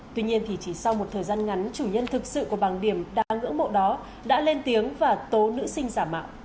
tuy nhiên thì chỉ sau một thời gian ngắn chủ nhân thực sự của bằng điểm đa ngưỡng mộ đó đã lên tiếng và tố nữ sinh giả mạo